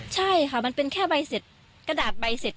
ใช่ค่ะมันเป็นแค่ใบเสร็จ